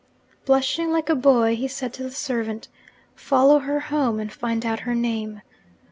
Blushing like a boy, he said to the servant, 'Follow her home, and find out her name.'